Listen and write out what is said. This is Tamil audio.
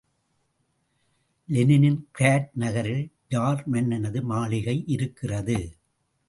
லெனின் கிராட் நகரில், ஜார் மன்னனது மாளிகை இருக்கிறது.